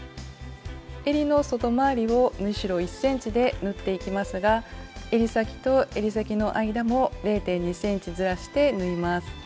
えりの外回りを縫い代１ｃｍで縫っていきますがえり先とえり先の間も０．２ｃｍずらして縫います。